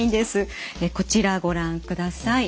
こちらご覧ください。